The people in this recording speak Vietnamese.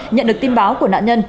nhận được tin báo của nạn nhân